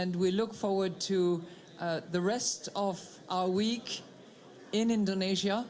dan kami menantikan kemudiannya mingguan di indonesia